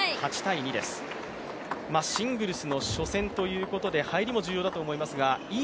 シングルスの初戦ということで入りも重要だと思いますがいい